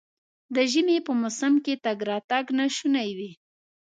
د ژمي په موسم کې تګ راتګ ناشونی وي.